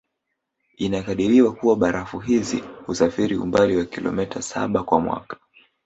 Inakadiriwa kua barafu hizi husafiri umbali wa kilometa saba kwa mwaka